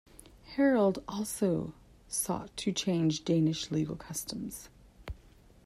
Harald also sought to change Danish legal customs.